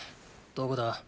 どこだ？